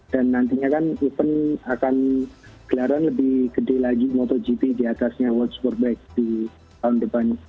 dan nantinya kan event akan gelaran lebih gede lagi motogp diatasnya world superbike di tahun depan